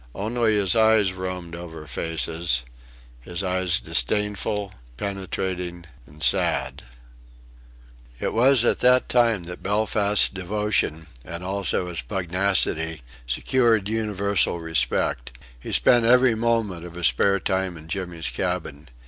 Only his eyes roamed over faces: his eyes disdainful, penetrating and sad. It was at that time that Belfast's devotion and also his pugnacity secured universal respect. He spent every moment of his spare time in Jimmy's cabin.